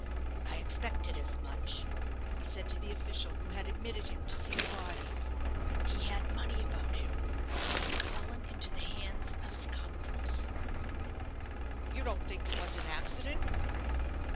"I expected as much," he said to the official who had admitted him to see the body; "he had money about him, and he has fallen into the hands of scoundrels." "You don't think it was an accident?"